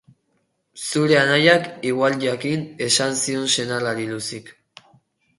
Zure anaiak, igual jakin, esan zion senarrari Luzik.